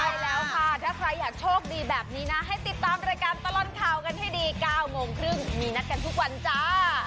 ใช่แล้วค่ะถ้าใครอยากโชคดีแบบนี้นะให้ติดตามรายการตลอดข่าวกันให้ดี๙โมงครึ่งมีนัดกันทุกวันจ้า